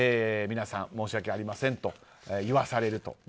皆さん、申し訳ありませんと言わされると。